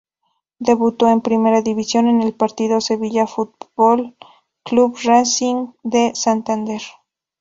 Debutó en primera división en el partido Sevilla Fútbol Club-Racing de Santander.